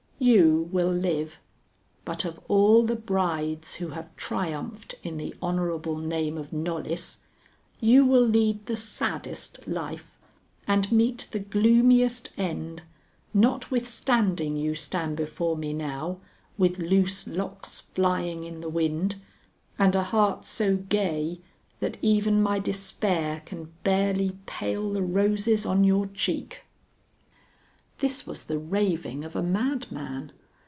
You will live, but of all the brides who have triumphed in the honorable name of Knollys, you will lead the saddest life and meet the gloomiest end notwithstanding you stand before me now, with loose locks flying in the wind, and a heart so gay that even my despair can barely pale the roses on your cheek." This was the raving of a madman.